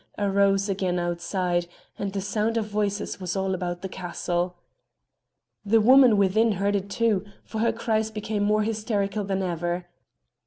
arose again outside, and the sound of voices was all about the castle. The woman within heard it too, for her cries became more hysterical than ever.